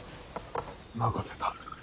任せた。